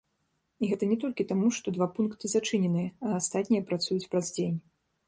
І гэта не толькі таму, што два пункты зачыненыя, а астатнія працуюць праз дзень.